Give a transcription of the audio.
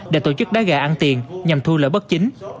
để tổ chức đá gà ăn tiền nhằm thu lợi bất chính